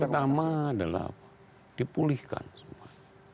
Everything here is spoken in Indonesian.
pertama adalah dipulihkan semua